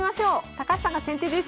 高橋さんが先手です。